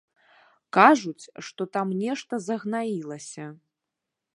Кажуць, што там нешта загнаілася.